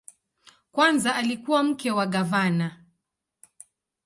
Kwanza alikuwa mke wa gavana.